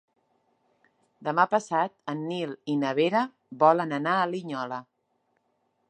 Demà passat en Nil i na Vera volen anar a Linyola.